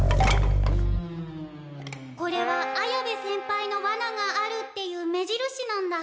これは綾部先輩のワナがあるっていうめじるしなんだ。